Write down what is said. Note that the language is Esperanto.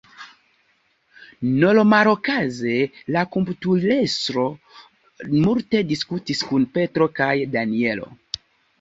Normalokaze la komputilestro multe diskutis kun Petro kaj Danjelo.